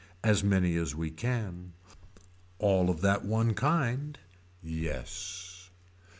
As many as we can. All of that one kind. Yes.